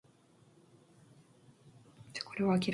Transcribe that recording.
저녁 뒤에 그는 말대답할 것을 생각하면서 큰마을로 발길을 옮겼다.